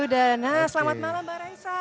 sudah nah selamat malam mbak raisa